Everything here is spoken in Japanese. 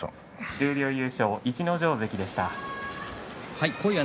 十両優勝、逸ノ城関でした。